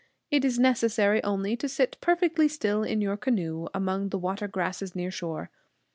It is necessary only to sit perfectly still in your canoe among the water grasses near shore.